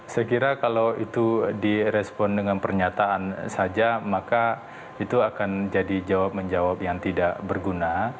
saya kira kalau itu direspon dengan pernyataan saja maka itu akan jadi jawab menjawab yang tidak berguna